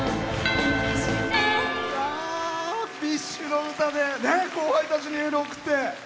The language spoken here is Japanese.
ＢｉＳＨの歌で後輩たちにエールを送って。